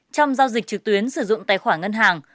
trong giao dịch trực tuyến sử dụng tài khoản ngân hàng